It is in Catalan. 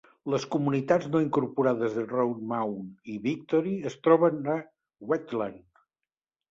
Les comunitats no incorporades de Red Mound i Victory es troben a Wheatland.